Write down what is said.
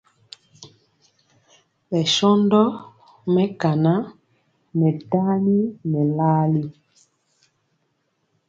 Bɛshóndo mekaŋan ŋɛ tani ŋɛ larli.